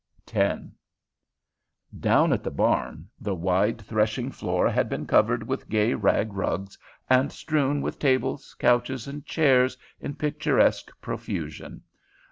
X Down at the barn, the wide threshing floor had been covered with gay rag rugs, and strewn with tables, couches, and chairs in picturesque profusion.